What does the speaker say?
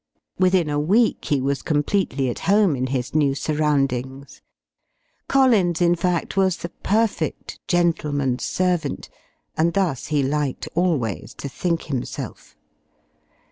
Within a week he was completely at home in his new surroundings. Collins, in fact, was the perfect "gentleman's servant" and thus he liked always to think himself.